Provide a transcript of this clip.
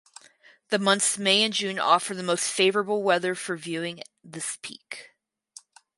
The months May and June offer the most favorable weather for viewing this peak.